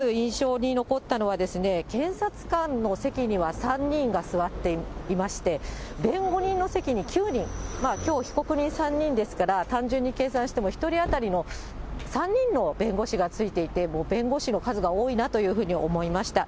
私がまず印象に残ったのは、検察官の席には３人が座っていまして、弁護人の席に９人、きょう、被告人３人ですから、単純に計算しても、１人当たり３人の弁護士がついていて、弁護士の数が多いなというふうに思いました。